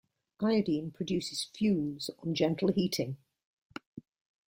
Iodine produces fumes on gentle heating.